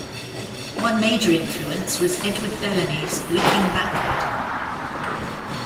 One major influence was Edward Bellamy's "Looking Backward".